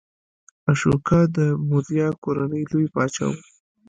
اشوکا د موریا کورنۍ لوی پاچا و.